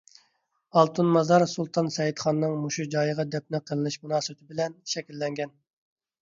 ئالتۇن مازار سۇلتان سەئىدخاننىڭ مۇشۇ جايغا دەپنە قىلىنىش مۇناسىۋىتى بىلەن شەكىللەنگەن.